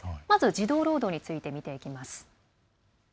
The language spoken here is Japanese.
まず児童労働について見ていきます。